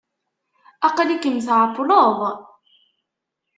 Aql-ikem tεewwleḍ.